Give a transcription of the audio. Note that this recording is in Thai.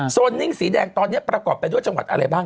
นิ่งสีแดงตอนนี้ประกอบไปด้วยจังหวัดอะไรบ้าง